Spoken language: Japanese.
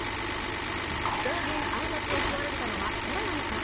将軍暗殺を企てたのは誰なのか？